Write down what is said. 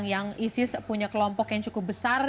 yang isis punya kelompok yang cukup besar